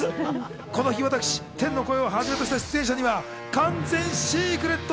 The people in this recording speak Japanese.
この日私、天の声をはじめとした出演者には完全シークレット。